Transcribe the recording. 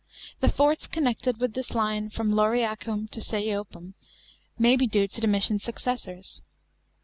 The forts connected with this line from Lauriacum to Seiopum may be due to Domitian's successors.